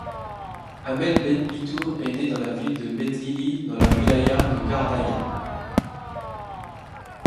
Ahmed Benbitour, est né dans la ville de Metlili dans la wilaya de Gardaïa.